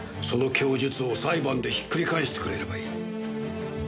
その供述を裁判でひっくり返してくれればいい。